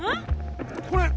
これ！